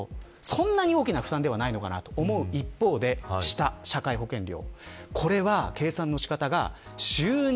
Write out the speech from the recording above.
そんなに大きな負担ではないのかなと思う一方下の社会保険料。